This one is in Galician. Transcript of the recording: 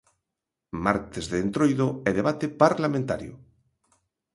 Martes de Entroido e debate parlamentario.